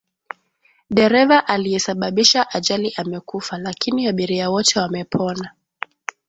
Dereva aliyesababisha ajali amekufa lakini abiria wote wamepona.